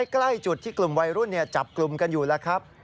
ใกล้จุดที่กลุ่มวัยรุ่นจับกลุ่มกันอยู่แล้วครับ